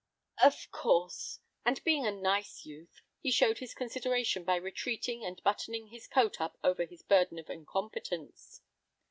"Of course." And being a nice youth he showed his consideration by retreating and buttoning his coat up over his burden of incompetence.